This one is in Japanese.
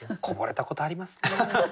零れたことありますね。